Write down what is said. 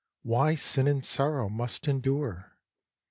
Why sin and sorrow must endure?